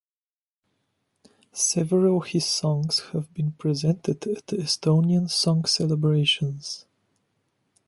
Several his songs have been presented at Estonian Song Celebrations.